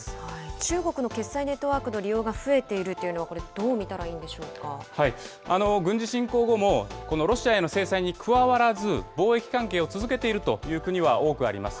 中国の決済ネットワークの利用が増えているというのはこれ、軍事侵攻後も、ロシアへの制裁に加わらず、貿易関係を続けているという国は多くあります。